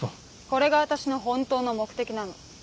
これが私の本当の目的なの。